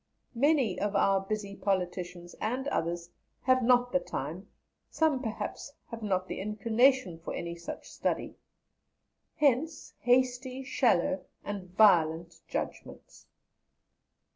Many of our busy politicians and others have not the time, some perhaps have not the inclination for any such study. Hence, hasty, shallow, and violent judgments.